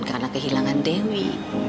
karena kehilangan dewi